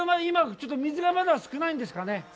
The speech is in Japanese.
水がまだ少ないんですかね。